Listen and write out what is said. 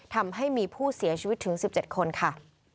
ทำให้มีผู้เสียชีวิตถึง๑๗คนค่ะ